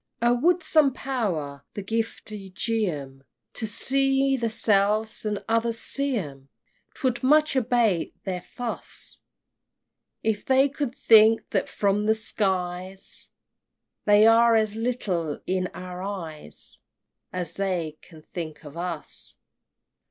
XXXIII. "Oh would some Power the giftie gie 'em, To see themselves as others see 'em," 'Twould much abate their fuss! If they could think that from the iskies They are as little in our eyes As they can think of us!